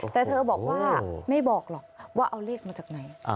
แต่เธอบอกว่าไม่บอกหรอกว่าเอาเลขมาจากไหน